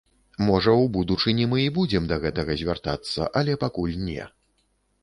Можа, у будучыні мы і будзем да гэтага звяртацца, але пакуль не.